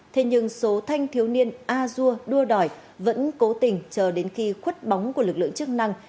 thế nhưng số thanh thiếu niên a dua đua đòi vẫn cố tình chờ đến khi khuất bóng của lực lượng chức năng